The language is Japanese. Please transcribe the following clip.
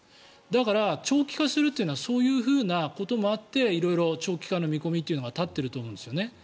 だから、長期化するというのはそういうこともあって色々、長期化の見込みというのが立っていると思うんです。